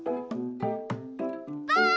ばあっ！